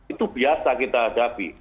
itu biasa kita hadapi